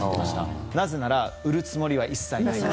なぜなら売るつもりは一切ない。